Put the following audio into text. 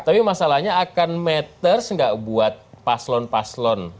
artinya akan matters gak buat paslon paslon